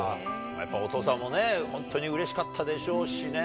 やっぱお父さんもね、本当にうれしかったでしょうしね。